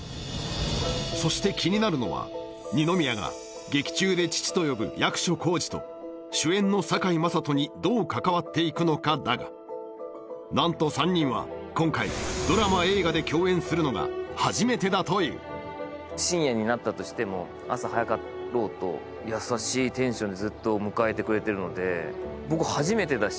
そして気になるのは二宮が劇中で父と呼ぶ役所広司と主演の堺雅人にどう関わっていくのかだが何と３人は今回ドラマ映画で共演するのが初めてだという深夜になったとしても朝早かろうと優しいテンションでずっと迎えてくれてるので僕初めてだし